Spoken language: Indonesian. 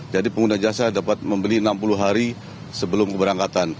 jadi pengguna jasa dapat membeli enam puluh hari sebelum keberangkatan